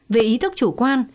về ý thức chủ quan